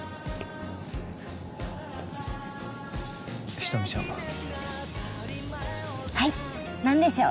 人見ちゃんはいなんでしょう？